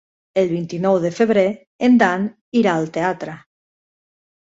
El vint-i-nou de febrer en Dan irà al teatre.